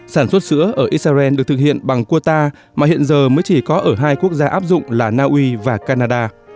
sản xuất sữa ở israel được thực hiện bằng kuata mà hiện giờ mới chỉ có ở hai quốc gia áp dụng là naui và canada